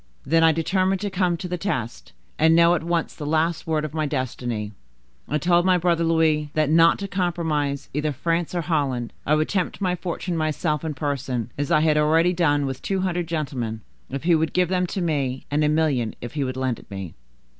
"Then I determined to come to the test, and know at once the last word of my destiny. I told my brother Louis, that, not to compromise either France or Holland, I would tempt fortune myself in person, as I had already done, with two hundred gentlemen, if he would give them to me; and a million, if he would lend it me."